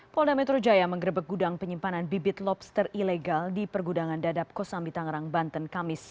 polda metro jaya mengerebek gudang penyimpanan bibit lobster ilegal di pergudangan dadap kosambi tangerang banten kamis